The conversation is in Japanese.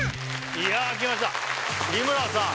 いやきました日村さん